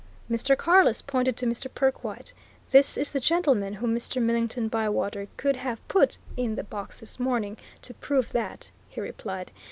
Mr. Carless pointed to Mr. Perkwite. "This is the gentleman whom Mr. Millington Bywater could have put in the box this morning to prove that," he replied.